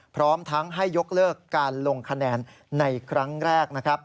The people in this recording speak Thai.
พร้อมทั้งให้ยกเลิกการลงคะแนนในครั้งแรกนะครับ